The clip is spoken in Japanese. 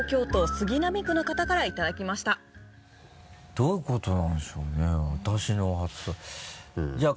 どういうことなんでしょうね？